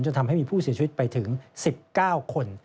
ทำให้มีผู้เสียชีวิตไปถึง๑๙คน